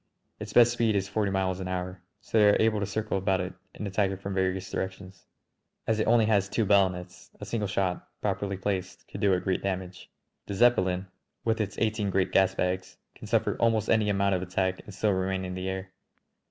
Its best speed is forty miles an hour, so they are able to circle about it and attack it from various directions. As it has only two ballonets, a single shot, properly placed, could do it great damage. The Zeppelin, with its eighteen great gasbags, can suffer almost any amount of attack and still remain in the air.